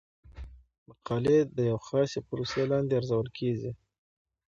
مقالې د یوې خاصې پروسې لاندې ارزول کیږي.